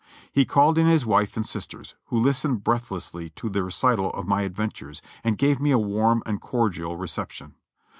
He called in his wife and sisters, who listened breathlessly to the recital of my adventures, and gave me a warm and cordial reception.